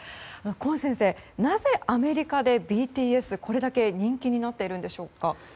クォン先生、なぜアメリカでＢＴＳがこれだけ人気になっているんでしょうか。